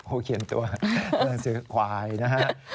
โอ้เขียนตัวเรื่องสื่อควายนะฮะ